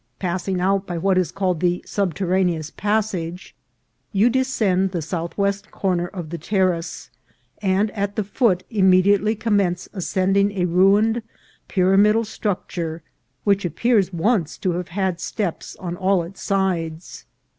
Passing out by what is called the subterraneous passage, you de scend the southwest corner of the terrace, and at the foot immediately commence ascending a ruined pyramidal structure, which appears once to have had steps on all its sides.